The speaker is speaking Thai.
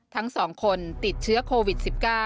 ทั้ง๒คนติดเชื้อโควิด๑๙